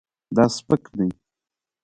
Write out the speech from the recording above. دا سپک دی